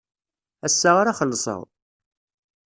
Ass-a ara xellṣeɣ.